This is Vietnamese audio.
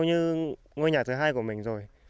như ngôi nhà thứ hai của mình rồi